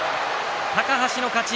高橋の勝ち。